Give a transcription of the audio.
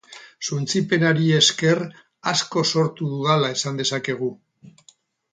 Suntsipenari esker asko sortu dudala esan dezakegu.